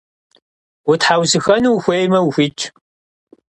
Утхьэусыхэну ухуеймэ, ухуитщ.